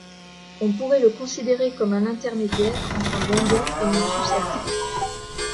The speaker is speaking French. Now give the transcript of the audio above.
On pourrait le considérer comme un intermédiaire entre un bonbon et une sucette.